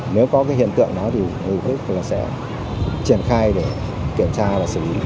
nếu có cái hiện tượng đó thì chúng tôi sẽ triển khai để kiểm tra và xử lý